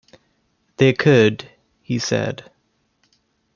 “They could,” he said.